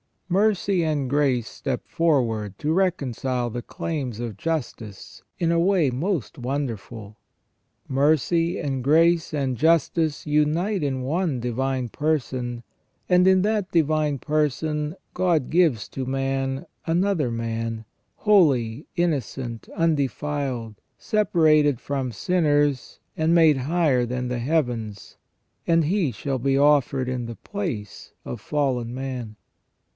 Mercy and Grace step forward to reconcile the claims of Justice in a way most wonderful. Mercy and Grace and Justice unite in one Divine Person, and in that Divine Person God gives to man another Man, " holy, innocent, undefiled, separated from sinners, and made higher than the heavens," and He shall be offered in the place of fallen man.